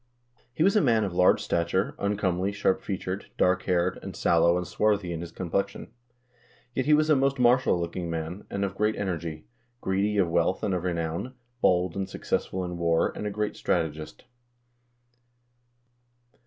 2 "He was a man of large stature, uncomely, sharp featured, dark haired, and sallow and swarthy in his complexion. Yet he was a most martial looking man, and of great energy; greedy of wealth and of renown; bold and successful in war, and a great strategist."